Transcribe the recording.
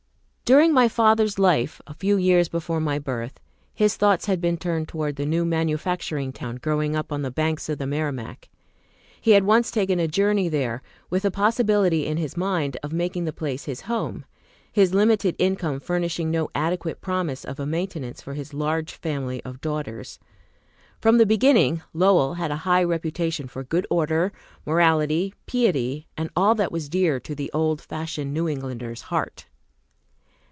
During my father's life, a few years before my birth, his thoughts had been turned towards the new manufacturing town growing up on the banks of the Merrimack. He had once taken a journey there, with the possibility in his mind of making the place his home, his limited income furnishing no adequate promise of a maintenance for his large family of daughters. From the beginning, Lowell had a high reputation for good order, morality, piety, and all that was dear to the old fashioned New Englander's heart.